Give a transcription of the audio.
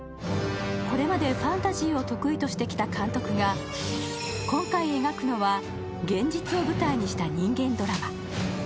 これまでファンタジーを得意としてきた監督が今回描くのは現実を舞台にした人間ドラマ。